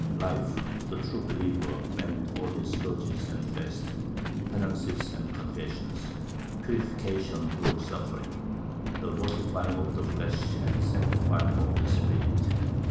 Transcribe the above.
Life, to the true believer, meant only scourges and fasts, penances and confessions, purification through suffering, the mortifying of the flesh and sanctifying of the spirit.